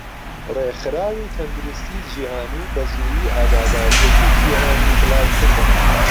ڕێخراوی تەندروستی جیهانی بەزوویی ئاگاداریەکی جیهانی بڵاوکردەوە.